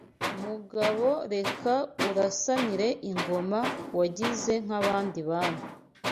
Mugabo reka urasanire ingoma Wagize nk’abandi bami